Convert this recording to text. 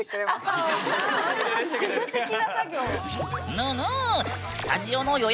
ぬぬ！